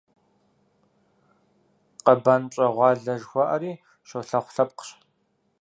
«Къэбан пщӀэгъуалэ» жыхуаӀэри щолэхъу лъэпкъщ.